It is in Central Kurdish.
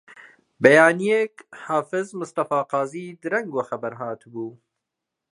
بەیانییەک حافز مستەفا قازی درەنگ وە خەبەر هاتبوو